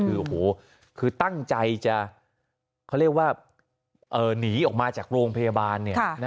คือโอ้โหคือตั้งใจจะเขาเรียกว่าหนีออกมาจากโรงพยาบาล